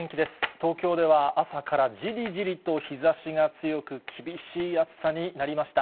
東京では、朝からじりじりと日ざしが強く、厳しい暑さになりました。